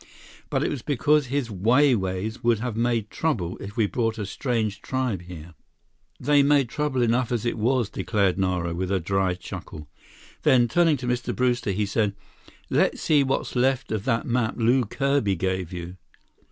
But it was because his Wai Wais would have made trouble if we brought a strange tribe here." "They made trouble enough as it was," declared Nara, with a dry chuckle. Then, turning to Mr. Brewster, he said, "Let's see what's left of that map Lew Kirby gave you.